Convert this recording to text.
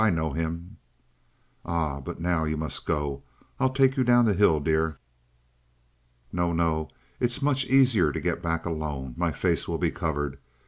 I know him!" "Ah! But now you must go. I'll take you down the hill, dear." "No, no! It's much easier to get back alone. My face will be covered.